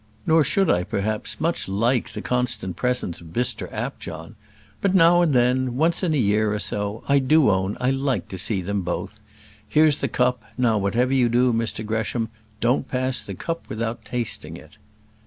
Nor should I, perhaps, much like the constant presence of Mr Apjohn. But now and then once in a year or so I do own I like to see them both. Here's the cup; now, whatever you do, Mr Gresham, don't pass the cup without tasting it."